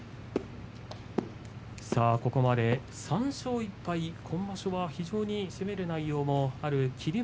ここまで３勝１敗今場所は非常に攻める内容もある霧